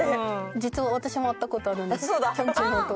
実は私も会った事あるんですきょんちぃの弟。